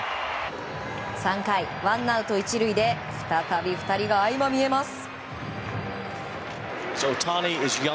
３回、ワンアウト１塁で再び２人が相まみえます。